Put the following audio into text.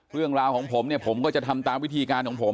เรื่องราวของผมเนี่ยผมก็จะทำตามวิธีการของผม